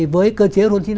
với cơ chế ron chín mươi năm